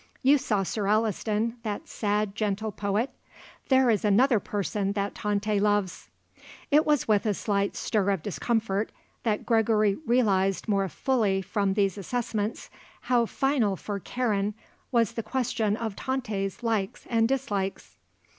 "You saw Sir Alliston, that sad, gentle poet? There is another person that Tante loves." It was with a slight stir of discomfort that Gregory realised more fully from these assessments how final for Karen was the question of Tante's likes and dislikes.